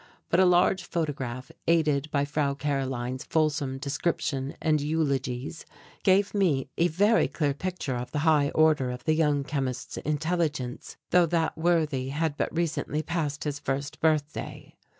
But a large photograph, aided by Frau Karoline's fulsome description and eulogies, gave me a very clear picture of the high order of the young chemist's intelligence though that worthy had but recently passed his first birthday.